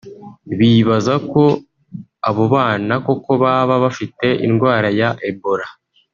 bibaza ko abo bana koko baba bafite indwara ya Ebola